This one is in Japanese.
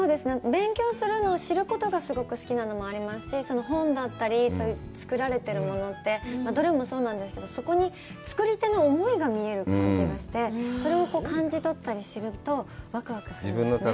勉強するのを知ることがすごく好きなのもありますし、本だったり、作られてるものってどれもそうなんですけど、そこに作り手の思いが見える感じがして、それを感じ取ったりするとわくわくするんですね。